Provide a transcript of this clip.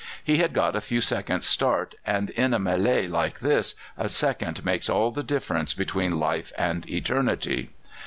He had got a few seconds' start, and in a mêlée like this a second makes all the difference between life and eternity.